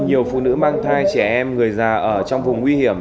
nhiều phụ nữ mang thai trẻ em người già ở trong vùng nguy hiểm